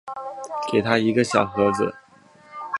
给他一个小盒子